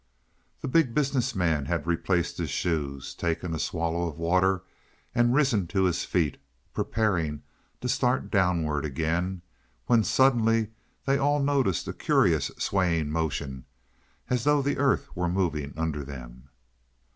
The Big Business Man had replaced his shoes, taken a swallow of water, and risen to his feet, preparing to start downward again, when suddenly they all noticed a curious swaying motion, as though the earth were moving under them.